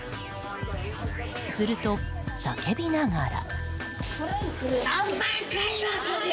すると、叫びながら。